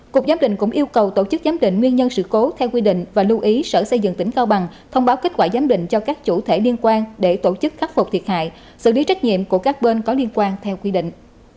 cục giám định cũng yêu cầu tổ chức giám định nguyên nhân sự cố theo quy định và lưu ý sở xây dựng tỉnh cao bằng thông báo kết quả giám định cho các chủ thể liên quan để tổ chức khắc phục thiệt hại xử lý trách nhiệm của các bên có liên quan theo quy định